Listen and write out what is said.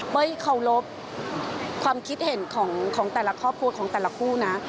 เคารพความคิดเห็นของแต่ละครอบครัวของแต่ละคู่นะ